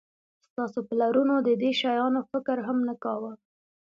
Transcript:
ستاسو پلرونو د دې شیانو فکر هم نه کاوه